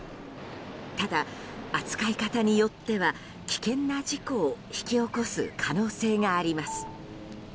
ただ、扱い方によっては危険な事故を引き起こす可能性があります。